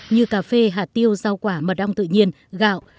như cà phê hạt tiêu rau quả mật ong tự nhiên gạo